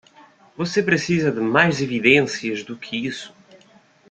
Você precisa de mais evidências do que isso.